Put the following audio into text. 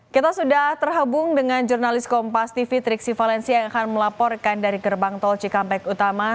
kita sudah terhubung dengan jurnalis kompas tv triksi valensi yang akan melaporkan dari gerbang tol cikampek utama